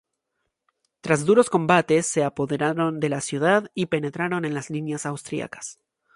Tras duros combates, se apoderaron de la ciudad y penetraron en las líneas austriacas.